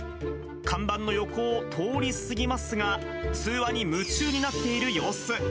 看板の横を通り過ぎますが、通話に夢中になっている様子。